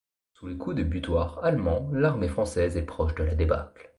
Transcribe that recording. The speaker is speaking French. Sous les coups de butoir allemands, l'armée française est proche de la débâcle.